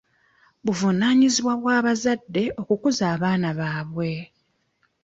Buvunaanyizibwa bwa bazadde okukuza abaana baabwe.